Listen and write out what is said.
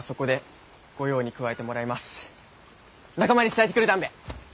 仲間に伝えてくるだんべ。